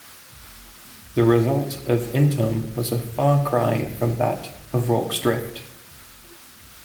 The result of Intombe was a far cry from that of Rorke's Drift.